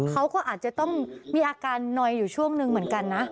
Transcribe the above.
เขาก็อาจจะต้องมีอาการนอยอยู่ช่วงหนึ่งเหมือนกันนะ